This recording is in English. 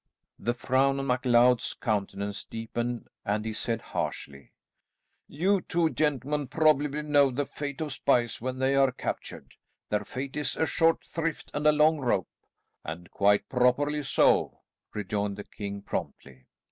The frown on MacLeod's countenance deepened, and he said harshly, "You two gentlemen probably know the fate of spies when they are captured. Their fate is a short shrift, and a long rope." "And quite properly so," rejoined the king promptly.